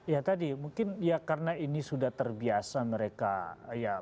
ya tadi mungkin ya karena ini sudah terbiasa mereka ya